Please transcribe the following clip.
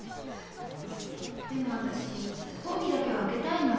でも私講義だけは受けたいの。